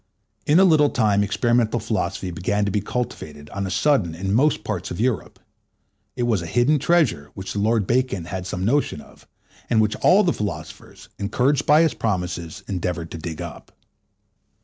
In a little time experimental philosophy began to be cultivated on a sudden in most parts of Europe. It was a hidden treasure which the Lord Bacon had some notion of, and which all the philosophers, encouraged by his promises, endeavoured to dig up.